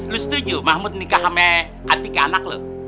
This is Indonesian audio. lu setuju mahmud nikah sama ati ke anak lu